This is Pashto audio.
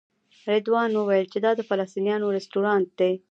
رضوان وویل چې دا د فلسطینیانو رسټورانټ دی.